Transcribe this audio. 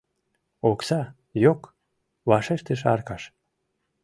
— Окса — йок! — вашештыш Аркаш.